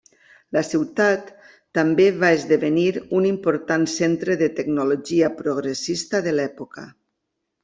La ciutat també va esdevenir un important centre de tecnologia progressista de l'època.